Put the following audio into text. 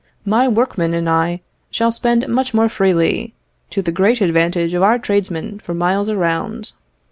My workmen and I shall spend much more freely, to the great advantage of our tradesmen for miles around.